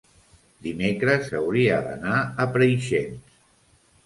dimecres hauria d'anar a Preixens.